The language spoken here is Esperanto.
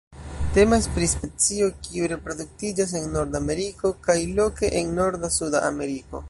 Temas pri specio kiu reproduktiĝas en Norda Ameriko kaj loke en norda Suda Ameriko.